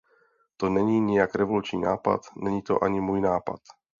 To není nijak revoluční nápad, není to ani můj nápad.